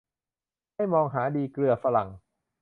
ให้มองหาดีเกลือฝรั่ง